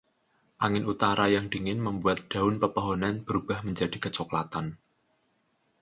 Angin utara yang dingin membuat dedaunan pohon berubah menjadi kecoklatan.